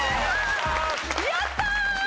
やったー！